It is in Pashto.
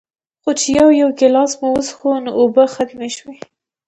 خو چې يو يو ګلاس مو وڅښو نو اوبۀ ختمې شوې